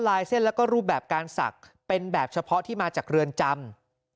ลายเส้นแล้วก็รูปแบบการศักดิ์เป็นแบบเฉพาะที่มาจากเรือนจำ